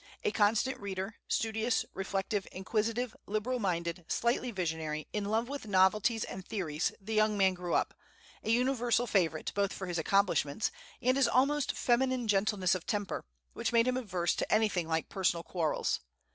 A constant reader, studious, reflective, inquisitive, liberal minded, slightly visionary, in love with novelties and theories, the young man grew up, a universal favorite, both for his accomplishments, and his almost feminine gentleness of temper, which made him averse to anything like personal quarrels.